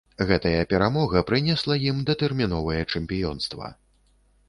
Гэтая перамога прынесла ім датэрміновае чэмпіёнства.